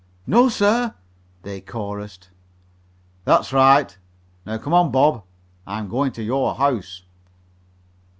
"No, sir," they chorused. "That's right. Now come on, Bob. I'm going to your house."